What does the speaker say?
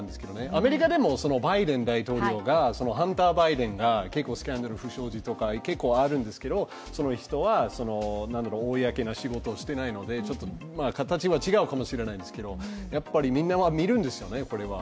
アメリカでもバイデン大統領がハンター・バイデンが結構スキャンダル、不祥事が結構あるんですけど、その人は公の仕事をしてないので形は違うかもしれないんですけど、やっぱりみんなは見るんですよね。